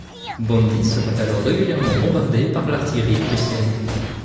Bondy sera alors régulièrement bombardée par l'artillerie prussienne.